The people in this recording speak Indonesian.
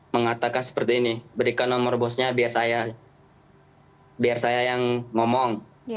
mengatakan seperti ini berikan nomor bosnya biar saya yang ngomong